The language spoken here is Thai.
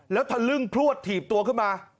แล้วทะลึ่งพลวดถีบตัวขึ้นมา